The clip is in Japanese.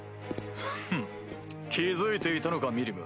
フン気付いていたのかミリム。